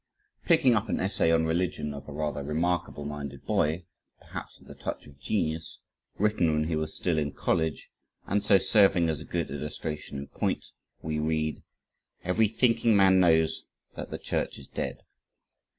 Picking up an essay on religion of a rather remarkable minded boy perhaps with a touch of genius written when he was still in college, and so serving as a good illustration in point we read "Every thinking man knows that the church is dead."